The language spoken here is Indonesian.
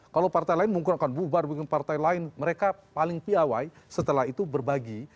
kalau partai lain mengkurangkan bubar mungkin partai lain mereka paling pay setelah itu berbagi